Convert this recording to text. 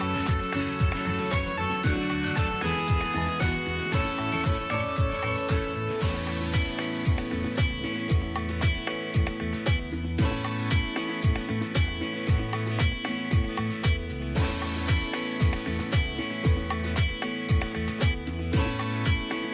มหันต์สวัสดีครับ